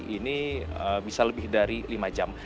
ini bisa lebih dari lima jam